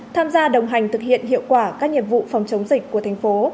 tham gia đồng hành thực hiện hiệu quả các nhiệm vụ phòng chống dịch của tp